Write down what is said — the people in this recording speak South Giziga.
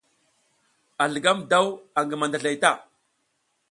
A zligam daw angi mandazlay ta.